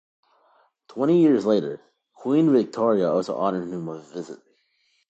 Twenty years later, Queen Victoria also honoured him with a visit.